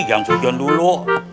jangan sujon dulu